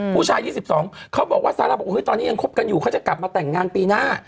ผู้ชาย๒๒เขาบอกว่าซาร่าบอกตอนนี้ยังคบกันอยู่เขาจะกลับมาแต่งงานปีหน้า